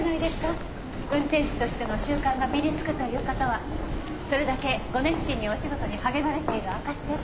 運転士としての習慣が身につくという事はそれだけご熱心にお仕事に励まれている証しです。